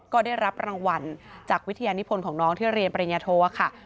ก็ได้รับรางวัลจากวิทยานิพลของน้องที่เรียนปริญญาโทค่ะ